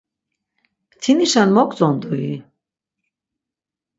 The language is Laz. Mtinişen moǩtzondui?